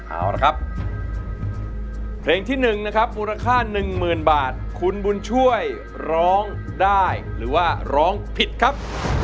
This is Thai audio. เอาละครับเพลงที่๑นะครับมูลค่า๑๐๐๐บาทคุณบุญช่วยร้องได้หรือว่าร้องผิดครับ